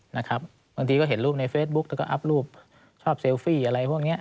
บางทีก็เห็นรูปในเฟซบุ๊กแล้วก็อัพรูปชอบเซลฟี่อะไรพวกนี้